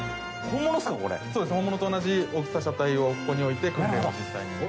本物と同じ大きさの車体をここに置いて訓練を実際に。